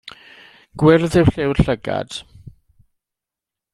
Gwyrdd yw lliw'r llygad.